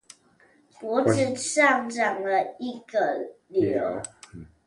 脖子上長了一個瘤